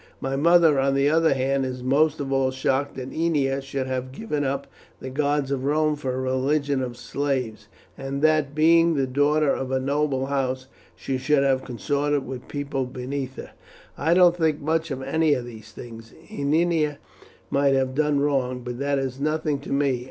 My mother, on the other hand, is most of all shocked that Ennia should have given up the gods of Rome for a religion of slaves, and that, being the daughter of a noble house, she should have consorted with people beneath her. "I don't think much of any of these things. Ennia may have done wrong, but that is nothing to me.